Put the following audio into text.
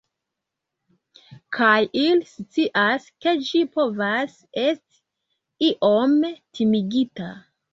Kaj li scias, ke ĝi povas esti iom timigita.